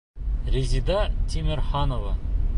Резида ТИМЕРХАНОВА.